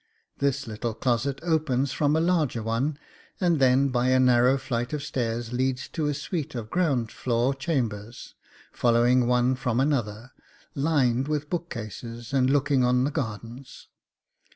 This little closet opens from a larger one, and then by a narrow flight of stairs leads to a suite of ground floor chambers, following one from another, lined with bookcases and looking on the gardens.